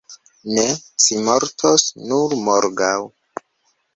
Ne, ci mortos nur morgaŭ.